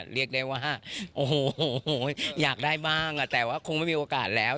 เรียกได้ว่าโอ้โหอยากได้บ้างแต่ว่าคงไม่มีโอกาสแล้ว